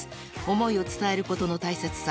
思いを伝えることの大切さ